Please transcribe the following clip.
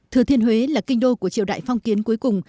thừa thiên huế là kinh đô của triều đại phong kiến cuối cùng